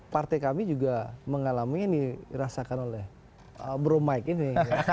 partai kami juga mengalami yang dirasakan oleh bro mike ini